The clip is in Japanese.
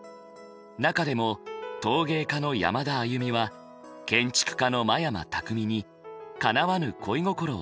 中でも陶芸科の山田あゆみは建築科の真山巧にかなわぬ恋心を募らせていた。